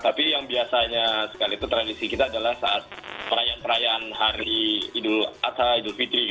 tapi yang biasanya sekali itu tradisi kita adalah saat perayaan perayaan hari idul adha idul fitri